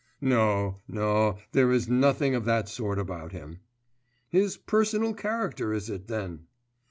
'No, no; there is nothing of that sort about him....' 'His personal character is it, then?